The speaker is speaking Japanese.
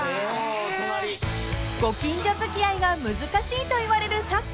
［ご近所付き合いが難しいと言われる昨今］